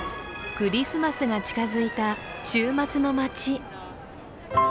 クリスマスが近づいた週末の街。